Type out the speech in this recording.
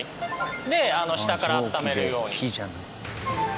で下から温めるように。